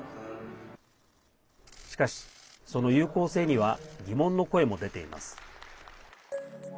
しかし、その有効性には疑問の声も出ています。